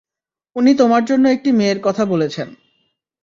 উনি তোমার জন্য একটি মেয়ের কথা বলেছেন।